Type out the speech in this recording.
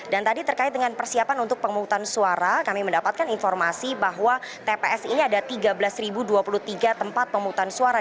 dan tadi terkait dengan persiapan untuk pemutusan suara kami mendapatkan informasi bahwa tps ini ada tiga belas dua puluh tiga tempat pemutusan suara